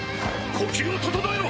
呼吸を整えろ！